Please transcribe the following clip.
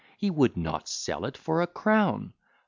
He would not sell it for a crown.